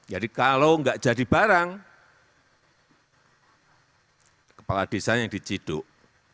jadi kalau enggak jadi barang kepala desa yang diciduk